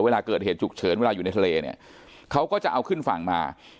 เวลาเกิดเหตุฉุกเฉินเวลาอยู่ในทะเลเนี่ยเขาก็จะเอาขึ้นฝั่งมา